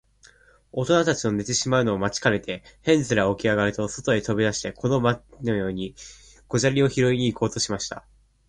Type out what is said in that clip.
おとなたちの寝てしまうのを待ちかねて、ヘンゼルはおきあがると、そとへとび出して、この前のように小砂利をひろいに行こうとしました。